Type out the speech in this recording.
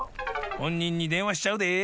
ほんにんにでんわしちゃうで。